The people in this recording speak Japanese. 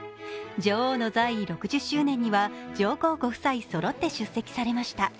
女王の在位６０周年には上皇ご夫妻そろって出席されました。